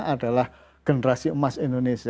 adalah generasi emas indonesia